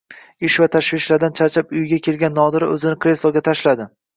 Ish va tashvishlardan charchab uyiga kelgan Nodira o`zini kresloga tashladi